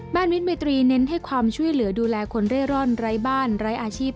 วิทย์เมตรีเน้นให้ความช่วยเหลือดูแลคนเร่ร่อนไร้บ้านไร้อาชีพ